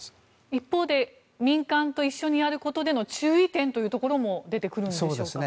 一方で民間と一緒にやることでの注意点というのも出てくるんでしょうか？